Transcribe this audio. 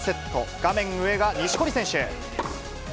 画面上が錦織選手。